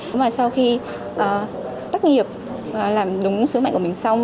nhưng mà sau khi tác nghiệp làm đúng sứ mệnh của mình xong